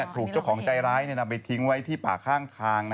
ถูกเจ้าของใจร้ายนำไปทิ้งไว้ที่ป่าข้างทาง